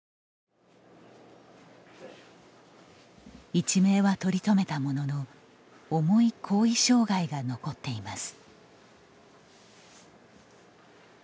一命は取り留めたものの重い後遺障害が残っています。